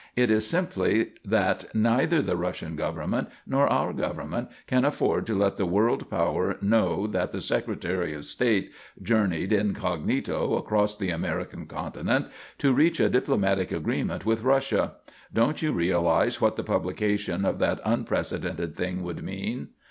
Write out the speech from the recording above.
It is simply that neither the Russian government nor our government can afford to let the world power know that the Secretary of State journeyed, incognito, across the American continent, to reach a diplomatic agreement with Russia. Don't you realise what the publication of that unprecedented thing would mean?"